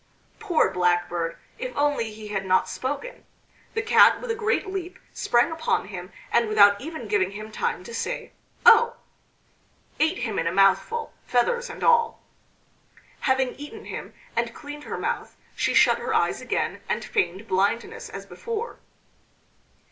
Poor Blackbird! If only he had not spoken! The Cat with a great leap sprang upon him and without even giving him time to say "Oh!" ate him in a mouthful, feathers and all. Having eaten him and cleaned her mouth she shut her eyes again and feigned blindness as before.